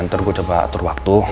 ntar gue coba atur waktu